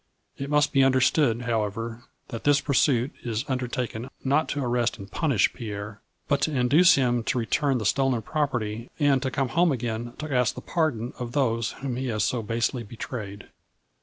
It must be understood, however, that this pursuit is undertaken not to arrest and punish Pierre, but to induce him to return the stolen property, and to come home again to ask the pardon of those whom he has so basely betrayed."